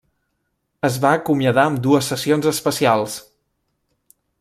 Es va acomiadar amb dues sessions especials.